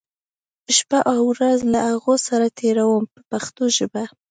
شپه او ورځ له هغو سره تېروم په پښتو ژبه.